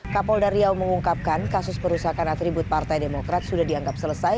kapolda riau mengungkapkan kasus perusahaan atribut partai demokrat sudah dianggap selesai